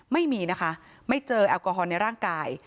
ไม่มีนะคะไม่เจอแอลกอฮอลในร่างกาย